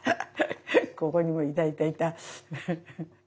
ここにもいたいたいた。